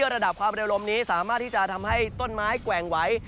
ระดับความเร็วลมนี้สามารถที่จะทำให้ต้นไม้แกว่งไหว